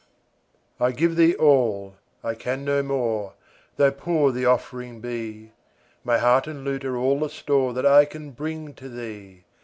I give thee all I can no more Tho' poor the offering be; My heart and lute are all the store That I can bring to thee.